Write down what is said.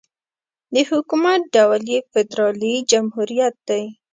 د حکومت ډول یې فدرالي جمهوريت دی.